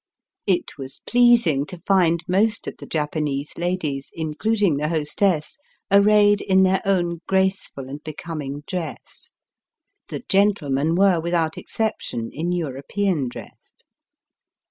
It was pleasing to find most of the Japanese ladies, including the hostess, arrayed in their own graceful and becoming dress. The gentlemen were, with out exception, in European dress.